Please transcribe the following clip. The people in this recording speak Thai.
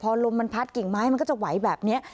พอลมมันพัดกิ่งไม้มันก็จะไหวแบบนี้